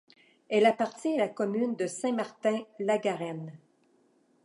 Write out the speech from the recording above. Elle appartient à la commune de Saint-Martin-la-Garenne.